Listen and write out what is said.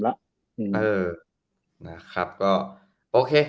๒๓แล้ว